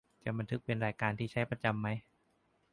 จะบันทึกเป็นรายการที่ใช้ประจำไหม